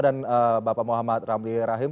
dan bapak muhammad ramli rahim